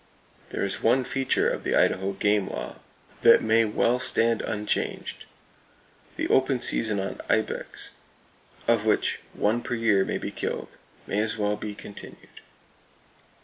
There is one feature of the Idaho game law that may well stand unchanged. The open season on "ibex," of which one per year may be killed, may as well be continued.